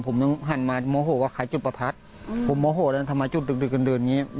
ผมยังหันมาโมโหว่าใครจุดประทัดผมโมโหแล้วทำไมจุดดึกดื่นอย่างนี้